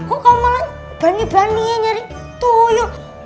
kok kamu malah berani berani ya nyari tuyul